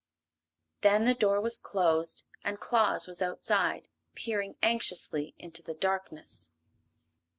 Then the door was closed and Claus was outside, peering anxiously into the darkness.